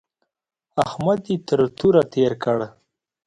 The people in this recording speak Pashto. احمد يې تر توره تېر کړ.